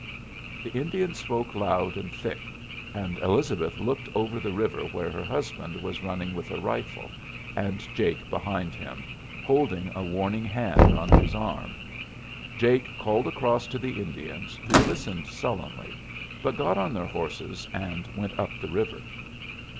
The Indian spoke loud and thick, and Elizabeth looked over the river where her husband was running with a rifle, and Jake behind him, holding a warning hand on his arm. Jake called across to the Indians, who listened sullenly, but got on their horses and went up the river.